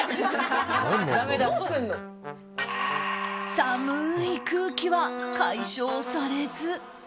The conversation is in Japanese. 寒い空気は解消されず。